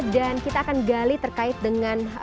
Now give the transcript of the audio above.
dan kita akan gali terkait dengan